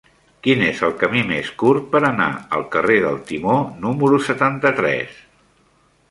Quin és el camí més curt per anar al carrer del Timó número setanta-tres?